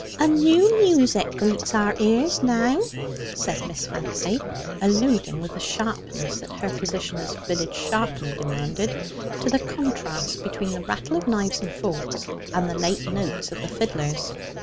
"A new music greets our ears now," said Miss Fancy, alluding, with the sharpness that her position as village sharpener demanded, to the contrast between the rattle of knives and forks and the late notes of the fiddlers.